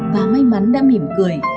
và may mắn đã mỉm cười